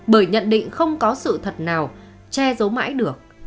bởi nhận định không có sự thật nào che giấu mãi được